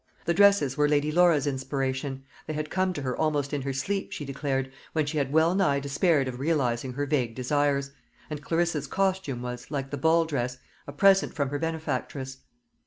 The dresses were Lady Laura's inspiration: they had come to her almost in her sleep, she declared, when she had well nigh despaired of realising her vague desires; and Clarissa's costume was, like the ball dress, a present from her benefactress.